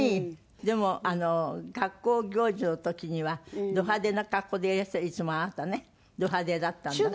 でも学校行事の時にはド派手な格好でいらしていつもあなたねド派手だったんだって？